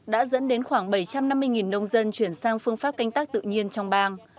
đã dẫn đến khoảng bảy trăm năm mươi nông dân chuyển sang phương pháp canh tác tự nhiên trong bang